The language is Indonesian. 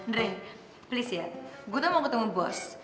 dre please ya gue tuh mau ketemu bos